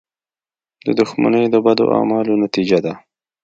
• دښمني د بدو اعمالو نتیجه ده.